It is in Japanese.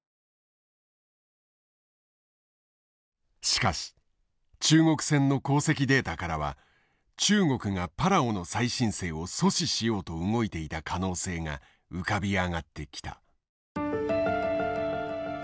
しかし中国船の航跡データからは中国がパラオの再申請を阻止しようと動いていた可能性が浮かび上がってきた。